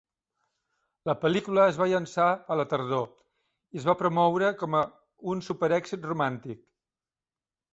La pel·lícula es va llançar a la tardor, i es va promoure com a un superèxit romàntic.